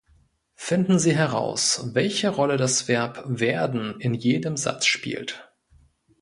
Finden Sie heraus, welche Rolle das Verb „werden“ in jedem Satz spielt.